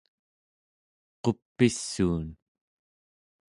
qup'issuun